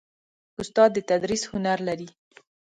استاد د تدریس هنر لري.